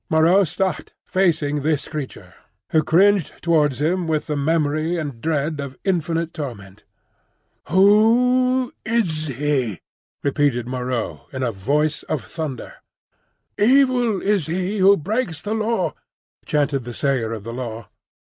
Moreau stopped, facing this creature, who cringed towards him with the memory and dread of infinite torment. "Who is he?" repeated Moreau, in a voice of thunder. "Evil is he who breaks the Law," chanted the Sayer of the Law.